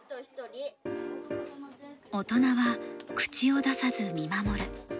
大人は口を出さず見守る。